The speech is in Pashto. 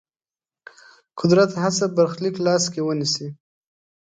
قدرت هڅه برخلیک لاس کې ونیسي.